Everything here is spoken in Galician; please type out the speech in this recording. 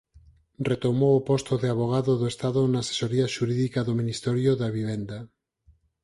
Retomou o posto de avogado do Estado na asesoría xurídica do Ministerio da Vivenda.